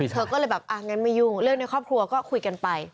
เธอก็เลยแบบอ่ะงั้นไม่ยุ่งเรื่องในครอบครัวก็คุยกันไป